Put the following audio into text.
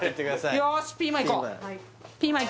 よしピーマンい